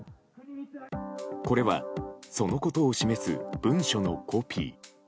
これはそのことを示す文書のコピー。